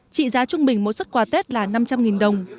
trị giá trung bình mỗi xuất quà tết là năm trăm linh đồng